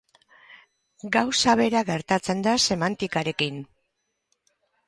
Gauza bera gertatzen da semantikarekin.